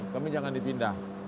kami jangan dipindah